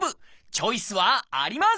チョイスはあります！